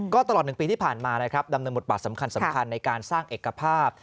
ก็ตลอด๑ปีที่ผ่านมานะครับดำเนินบทบาทสำคัญในการสร้างเอกภาพ